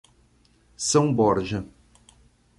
São Borja